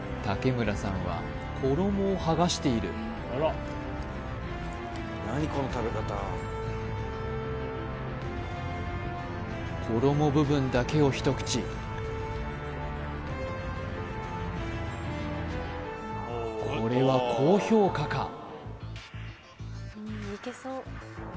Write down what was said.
竹村さんは衣をはがしている衣部分だけを一口これは高評価か？